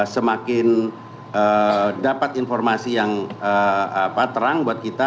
semakin dapat informasi yang terang buat kita